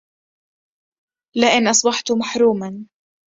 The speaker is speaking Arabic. لئن أصبحت محروما